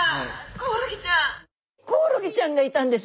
コオロギちゃんがいたんです。